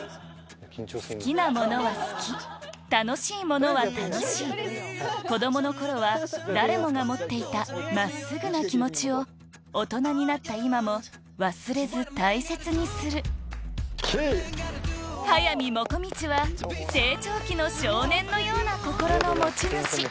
好きなものは好き楽しいものは楽しい子どもの頃は誰もが持っていた真っすぐな気持ちを大人になった今も忘れず大切にする速水もこみちは成長期の少年のような心の持ち主